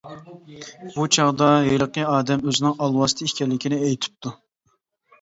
بۇ چاغدا ھېلىقى ئادەم ئۆزىنىڭ ئالۋاستى ئىكەنلىكىنى ئېيتىپتۇ.